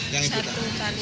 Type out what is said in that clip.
satu kali pak